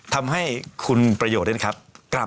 ทำให้คุณประโยชน์ชีวิตเองนะครับ